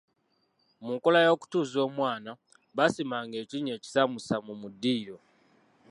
Mu nkola y'okutuuza omwana, baasimanga ekinnya ekisaamusaamu mu ddiiro.